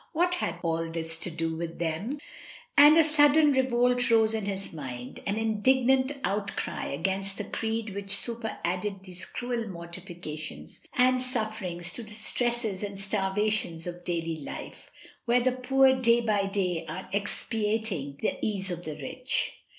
What had all this to do with them? ... And a sudden revolt rose in his mind, an indignant outcry against the creed which superadded these cruel mortifications and sufferings to the stresses and starvation of daily life, where the poor day by day are expiating the ease of the rich.